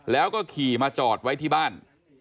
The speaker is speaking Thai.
แล้วก็ขี่มาจอดไว้ที่บ้าน